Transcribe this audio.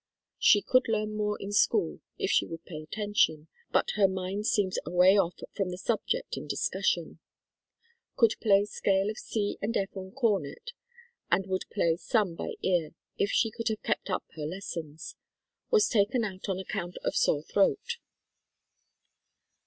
She could learn more in school if she would pay attention, but her mind seems away off from the subject in dis cussion. Could play scale of C and F on cornet and would play some by ear if she could have kept up her lessons. Was taken out on account of sore throat.